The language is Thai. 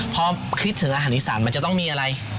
พอคิดถึงอาหารอีสานมันจะต้องมีอะไร